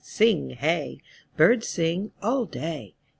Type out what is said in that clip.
Sing hey! Birds sing All day.